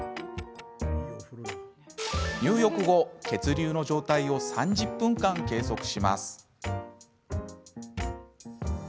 入浴後、血流の状態を３０分間計測します。